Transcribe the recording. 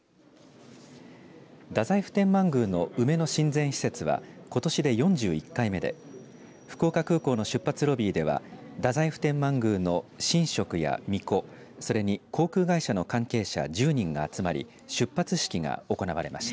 太宰府天満宮の梅の親善使節はことしで４１回目で福岡空港の出発ロビーでは太宰府天満宮の神職やみこ、それに航空会社の関係者１０人が集まり出発式が行われました。